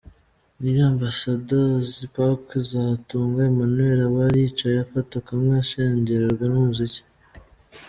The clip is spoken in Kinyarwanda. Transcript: Nyiri Ambassador's Park Nzatunga Emmanuel aba yicaye afata kamwe acengerwa n'umuziki .